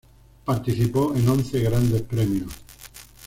Participó en once Grandes Premios.